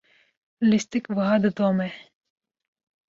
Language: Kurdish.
lîstik wiha didome.